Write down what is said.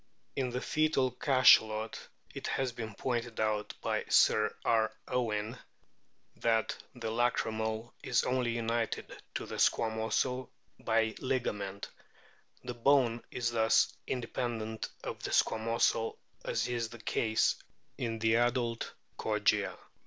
In the fcetal Cachalot it has been pointed out by Sir R. Owen that the lacrymal is only united to the squamosal by ligament ; the bone is thus independent of the squamosal as is the case in the adult Kogia.